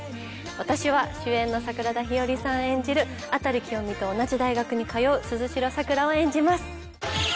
私は主演の桜田ひよりさん演じる辺清美と同じ大学に通う鈴代桜を演じます。